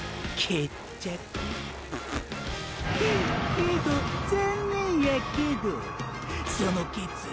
けど残念やけどォその決意